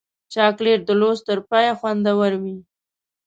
چاکلېټ د لوست تر پایه خوندور وي.